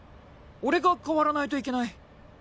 俺が変わらないといけない。